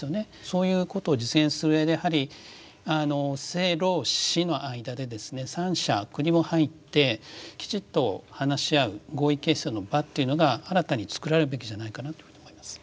そういうことを実現する上で政労使の間でですね三者国も入ってきちっと話し合う合意形成の場というのが新たにつくられるべきじゃないかなというふうに思います。